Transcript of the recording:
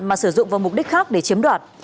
mà sử dụng vào mục đích khác để chiếm đoạt